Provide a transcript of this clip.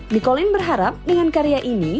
nikolin berharap dengan karya ini